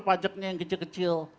pajaknya yang kecil kecil